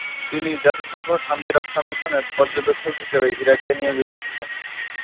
তিনি জাতিসংঘ শান্তি রক্ষা মিশনের পর্যবেক্ষক হিসেবে ইরাকে নিয়োজিত ছিলেন।